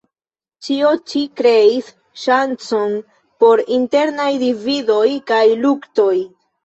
Ĉio ĉi kreis ŝancon por internaj dividoj kaj luktoj.